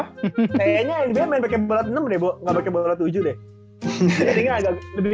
kayaknya nba main balet enam deh gak balet tujuh deh